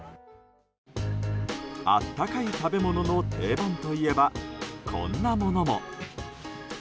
温かい食べ物の定番といえばこんなものも。